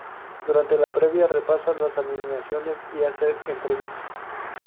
Durante la previa repasa las alineaciones y hace entrevistas.